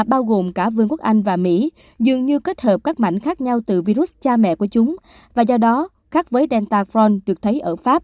bao gồm cả vương quốc anh và mỹ